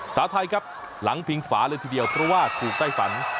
สาวไทยครับหลังพิงฝาเลยทีเดียวเพราะว่าถูกไต้ฝัน